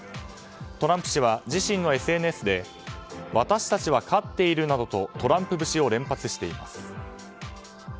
トランプ氏は、自身のＳＮＳで私たちは勝っているなどとトランプ節を連発しています。